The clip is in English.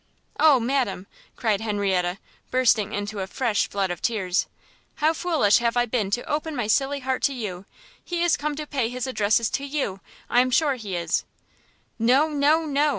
"Oh madam!" cried Henrietta, bursting into a fresh flood of tears, "how foolish have I been to open my silly heart to you! he is come to pay his addresses to you! I am sure he is! " "No, no, no!"